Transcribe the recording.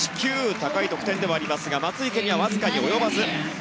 高い得点ではありますが松生にはわずかに及びません。